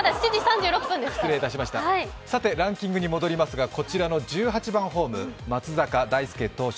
失礼いたしました、ランキングに戻りますが、こちらの１８番ホーム、松坂大輔投手